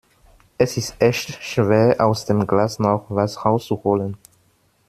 Es ist echt schwer aus dem Glas noch was rauszuholen